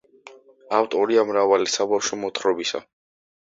ავტორია მრავალი საბავშვო მოთხრობისა.